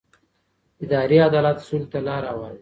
اداري عدالت سولې ته لاره هواروي